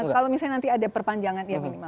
kalau misalnya nanti ada perpanjangan ya minimal